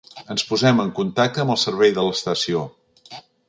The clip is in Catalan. Ens posem en contacte amb el servei de l'estació.